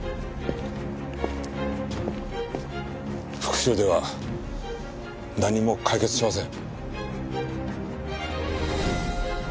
復讐では何も解決しません。